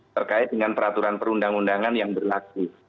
terkait dengan peraturan perundang undangan yang berlaku